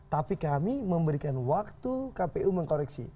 tapi kami memberikan waktu kpu mengkoreksi